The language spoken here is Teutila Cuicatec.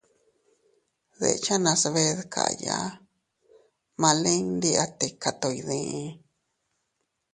Dechenas bee dkaya ma lin ndi a tika to iydii.